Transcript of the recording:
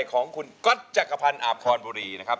เลือกอะไรครับ